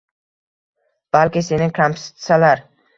balki seni kamsitsalar